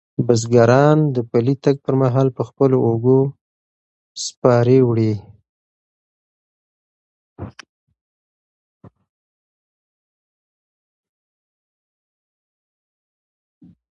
بزګران د پلي تګ پر مهال په خپلو اوږو سپارې وړي.